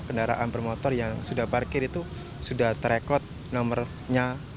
kendaraan bermotor yang sudah parkir itu sudah terekot nomernya